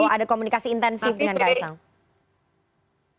kalau komunikasi intensif dengan khaesang